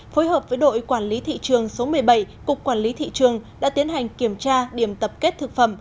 phối hợp với đội quản lý thị trường số một mươi bảy cục quản lý thị trường đã tiến hành kiểm tra điểm tập kết thực phẩm